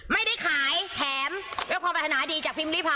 ไม่ได้ขายแถมพร้อมพัฒนาดีจากพิมพ์รีไพร